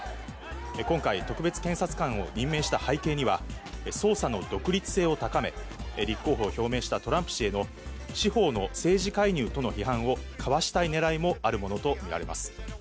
今回、特別検察官を任命した背景には捜査の独立性を高め、表明したトランプ氏への司法の政治介入との批判をかわしたいねらいもあるものと見られます。